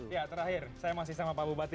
ya terakhir saya masih sama pak bupati